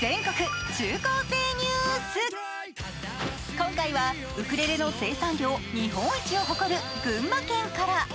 今回はウクレレの生産量日本一を誇る群馬県から。